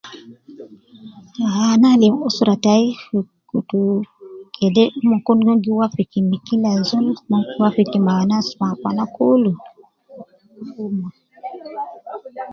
Aaaa anaalim usura tayi fi kutu kede umon kun gi wafiki, ma kila azol, umon gi wafiki ma akwana kul fi umma.